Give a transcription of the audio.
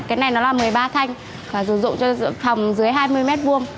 cái này nó là một mươi ba thanh và sử dụng cho phòng dưới hai mươi m hai